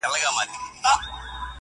شپې دي روڼي ورځي تیري په ژړا سي-